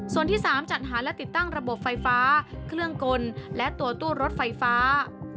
ส่วนที่๓จัดหาและติดตั้งระบบไฟฟ้าเครื่องกลและตัวตู้รถไฟฟ้า